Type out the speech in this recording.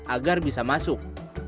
agar bisa masuk